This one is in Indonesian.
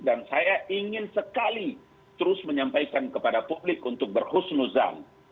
dan saya ingin sekali terus menyampaikan kepada publik untuk berhusnuzan